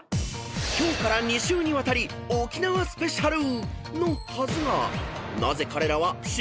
［今日から２週にわたり沖縄スペシャルのはずが］